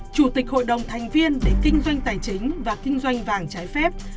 chủ tịch hội đồng thành viên để kinh doanh tài chính và kinh doanh vàng trái phép